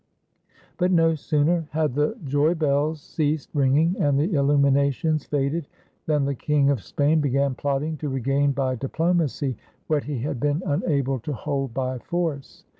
But no sooner had the joy bells ceased ringing and the illuminations faded than the King of Spain began plotting to regain by diplomacy what he had been unable to hold by force.